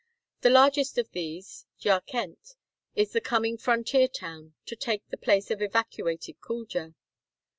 The largest of these, Jarkend, is the coming frontier town, to take the place of evacuated Kuldja.